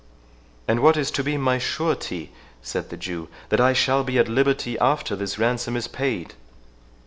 "And what is to be my surety," said the Jew, "that I shall be at liberty after this ransom is paid?"